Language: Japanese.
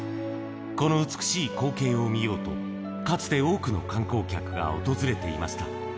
この美しい光景を見ようと、かつて多くの観光客が訪れていました。